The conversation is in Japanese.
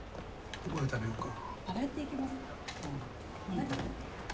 どこで食べようか？